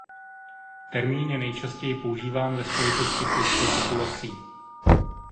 Termín je nejčastěji používán ve spojitosti s lidskou populací.